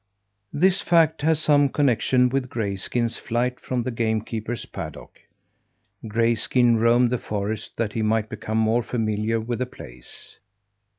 This fact has some connection with Grayskin's flight from the game keeper's paddock. Grayskin roamed the forest that he might become more familiar with the place.